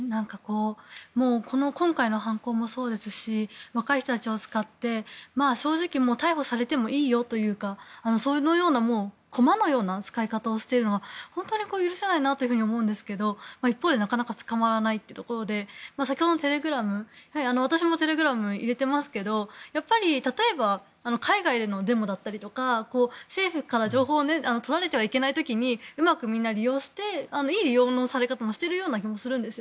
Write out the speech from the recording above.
今回の犯行もそうですし若い人たちを使って正直逮捕されてもいいよというか駒のような扱い方をしているのが本当に許せないなと思いますが一方、なかなか捕まらないというので先ほどのテレグラム私もテレグラムを入れてますけど例えば海外でのデモだったり政府から情報を取られてはいけない時うまくみんな利用していい利用のされ方もしてるような気もするんです。